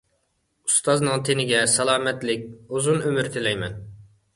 ئۇستازنىڭ تېنىگە سالامەتلىك، ئۇزۇن ئۆمۈر تىلەيمەن.